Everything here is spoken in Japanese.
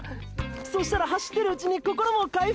そうしたら走ってるうちに心も回復！！